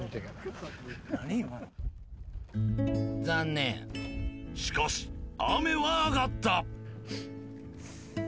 残念しかし雨は上がった！